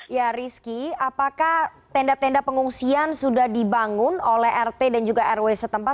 ya rizky apakah tenda tenda pengungsian sudah dibangun oleh rt dan juga rw setempat